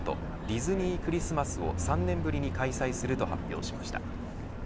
ディズニー・クリスマスを３年ぶりに開催すると発表しました。